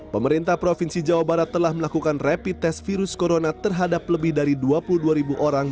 pemerintah provinsi jawa barat telah melakukan rapid test virus corona terhadap lebih dari dua puluh dua ribu orang